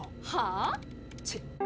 はあ？